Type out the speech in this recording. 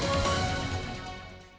dan menkoordinator bidang komunikasi dan media